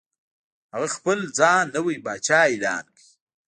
هغه خپل ځان نوی پاچا اعلان کړ.